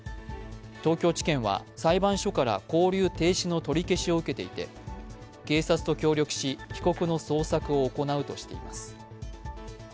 東京地検は、裁判所から勾留停止の取り消しを受けていて、警察と協力し被告の捜索を行うとしています。